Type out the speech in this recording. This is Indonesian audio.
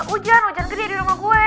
ujan ujan gede di rumah gue